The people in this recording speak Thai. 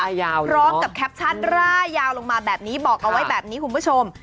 ร่ายยาวเลยหรอร้องกับแคปชั่นร่ายยาวลงมาแบบนี้บอกเอาไว้แบบนี้คุณผู้ชม